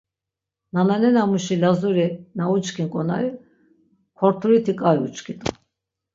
Nananena muşi Lazuri na uçkin k̆onari Korturiti k̆ai uçkit̆u.